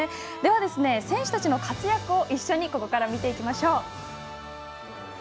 選手たちの活躍を一緒にここから見ていきましょう。